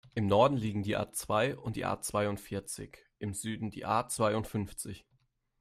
Im Norden liegen die A-zwei und die A-zweiundvierzig, im Süden die A-zweiundfünfzig.